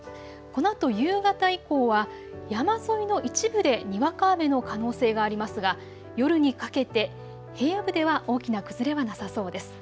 このあと夕方以降は山沿いの一部でにわか雨の可能性がありますが夜にかけて平野部では大きな崩れはなさそうです。